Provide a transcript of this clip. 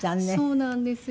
そうなんですよ。